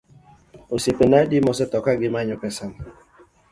Osiepena adi ma osetho ka gimanyo pesa ni?